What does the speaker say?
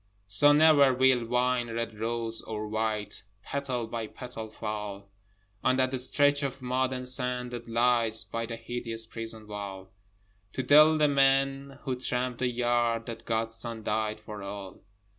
So never will wine red rose or white, Petal by petal, fall On that stretch of mud and sand that lies By the hideous prison wall, To tell the men who tramp the yard That God's Son died for all.